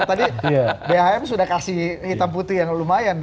tadi bhm sudah kasih hitam putih yang lumayan